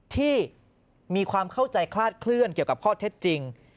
ที่มีความเข้าใจคลาดเคลื่อนเกี่ยวกับข้อเท็จจริง